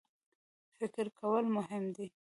فکر کول مهم دی.